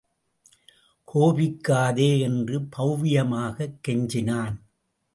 கோபிக்காதே! என்று பவ்யமாகக் கெஞ்சினான்.